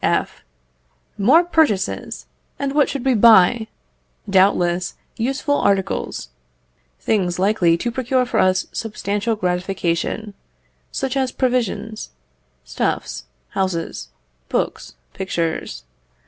F. More purchases! and what should we buy? Doubtless, useful articles things likely to procure for us substantial gratification such as provisions, stuffs, houses, books, pictures.